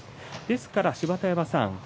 ですから芝田山さん